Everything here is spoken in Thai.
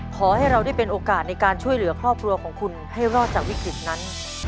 ขอให้เราได้เป็นโอกาสในการช่วยเหลือครอบครัวของคุณให้รอดจากวิกฤตนั้น